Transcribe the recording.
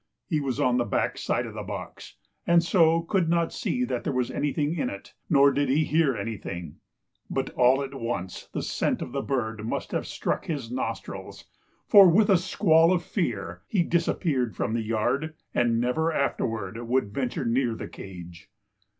He was on the back side of the box, and so could not see that there was anything in it, nor did he hear anything, but all at once the scent of the bird must have struck his nostrils, for with a squall of fear he disappeared from the yard and never afterward would venture near the cage.